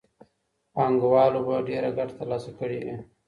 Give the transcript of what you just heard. پانګوالو به ډېره ګټه ترلاسه کړې وي.